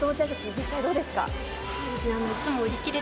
実際どうですか？